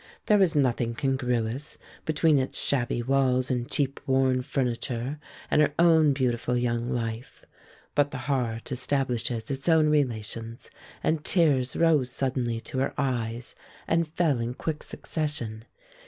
There was nothing congruous between its shabby walls and cheap worn furniture and her own beautiful young life; but the heart establishes its own relations, and tears rose suddenly to her eyes and fell in quick succession.